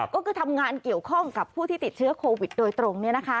ก็คือทำงานเกี่ยวข้องกับผู้ที่ติดเชื้อโควิดโดยตรง